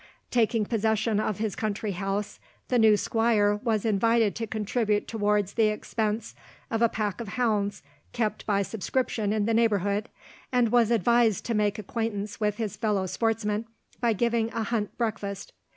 Taking possession of his country house, the new squire was invited to contribute towards the expense of a pack of hounds kept by subscription in the neighbourhood, and was advised to make acquaintance with his fellow sportsmen by giving a hunt breakfast.